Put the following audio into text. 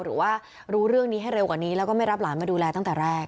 หรือว่ารู้เรื่องนี้ให้เร็วกว่านี้แล้วก็ไม่รับหลานมาดูแลตั้งแต่แรก